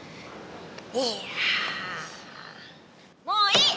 もういい！